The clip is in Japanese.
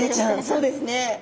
そうですね。